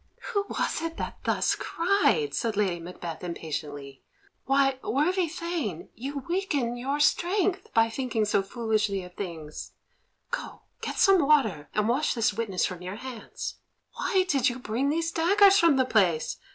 '" "Who was it that thus cried?" said Lady Macbeth impatiently. "Why, worthy Thane, you weaken your strength by thinking so foolishly of things. Go, get some water, and wash this witness from your hands. Why did you bring these daggers from the place?